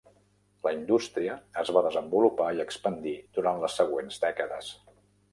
La indústria es va desenvolupar i expandir durant les següents dècades.